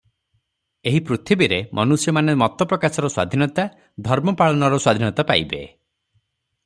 ଏହି ପୃଥିବୀରେ ମନୁଷ୍ୟମାନେ ମତପ୍ରକାଶର ସ୍ୱାଧୀନତା, ଧର୍ମପାଳନର ସ୍ୱାଧୀନତା ପାଇବେ ।